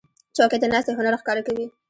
چوکۍ د ناستې هنر ښکاره کوي.